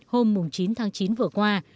hôm chín tháng chín vừa qua